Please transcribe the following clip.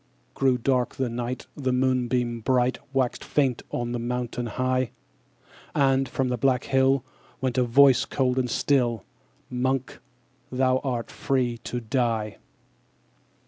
9. Grew dark the night; The moonbeam bright Waxed faint on the mountain high; And, from the black hill, _50 Went a voice cold and still, 'Monk! thou art free to die.'